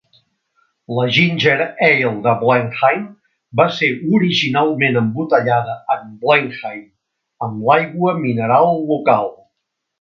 La Ginger Ale de Blenheim va ser originalment embotellada en Blenheim, amb l'aigua mineral local.